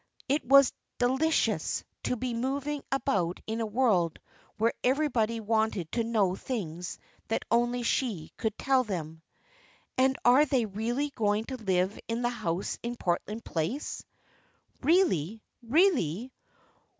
It was delicious to be moving about in a world where everybody wanted to know things that only she could tell them. "And are they really going to live in the house in Portland Place?" "Really, really.